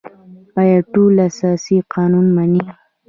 آیا ټول اساسي قانون مني؟